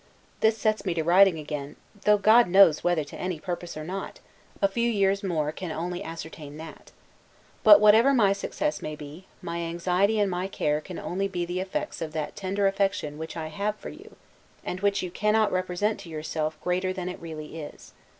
This sets me to writing again, though God knows whether to any purpose or not; a few years more can only ascertain that. But, whatever my success may be, my anxiety and my care can only be the effects of that tender affection which I have for you; and which you cannot represent to yourself greater than it really is.